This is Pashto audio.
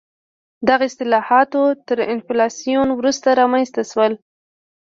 دغه اصلاحات تر انفلاسیون وروسته رامنځته شول.